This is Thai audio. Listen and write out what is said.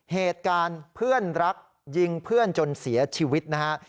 เหตุการณ์เพื่อนรักยิงเพื่อนจนเสียชีวิตนะฮะ